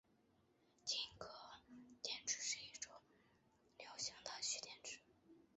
镍镉电池是一种流行的蓄电池。